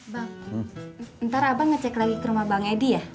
bang ntar abang ngecek lagi ke rumah bang edi ya